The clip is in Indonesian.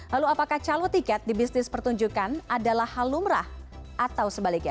lalu apakah calon tiket di bisnis pertunjukan adalah hal lumrah atau sebaliknya